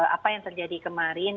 apa yang terjadi kemarin